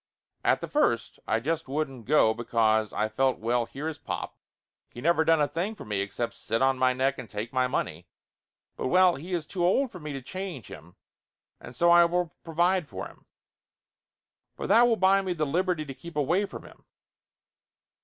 At the first I just wouldn't go because I felt well here is pop, he never done a thing for me except sit on my neck and take my money, but well he is too old for me to change him, and so I will provide for him. But that will buy me the liberty to keep away from him.